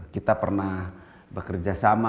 kita pernah bekerja